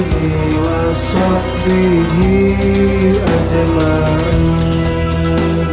kenapa ini perlu ya mas